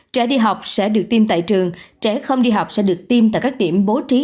trẻ đi học sẽ được tiêm tại trường trẻ không đi học sẽ được tiêm tại các điểm bố trí